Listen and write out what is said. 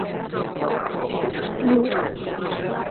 该遗址目前位于中国天津市滨海新区东炮台路。